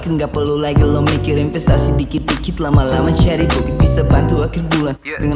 ngapelulai gelom mikir investasi dikit dikit lama lama jadi bisa bantu akhir bulan dengan